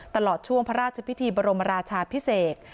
ตลอดช่วงพระราชพิธีบรมราชาพิเศษ